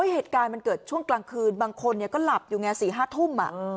เหตุการณ์มันเกิดช่วงกลางคืนบางคนก็หลับอยู่ไง๔๕ทุ่ม